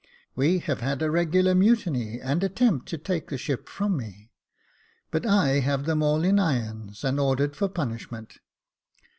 "We have had a regular mutiny, and attempt to take the ship from me : but I have them all in irons, and ordered for punishment.